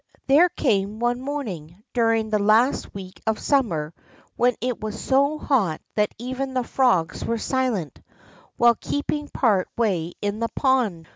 There came one morning, during the last week of summer, when it was so hot that even the frogs were silent, while keeping part way in the pond.